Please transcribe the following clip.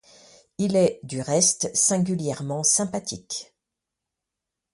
Il est, du reste, singulièrement sympathique.